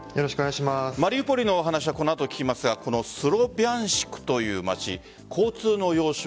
マリウポリの話はこの後、聞きますがスロビャンシクという街交通の要衝。